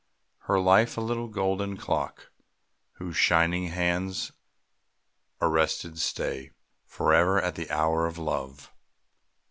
Her life a little golden clock Whose shining hands, arrested, stay Forever at the hour of Love.